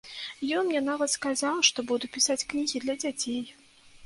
Ён мне нават сказаў, што буду пісаць кнігі для дзяцей.